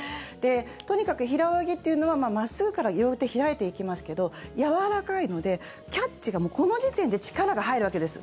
とにかく平泳ぎというのは真っすぐから両手を開いていきますけどやわらかいので、キャッチがもうこの時点で力が入るわけです。